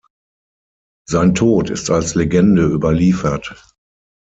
Sein Tod ist als Legende überliefert.